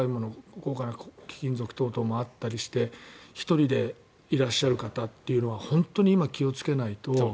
高価な貴金属等々もあったりして１人でいらっしゃる方というのは本当に今、気をつけないと。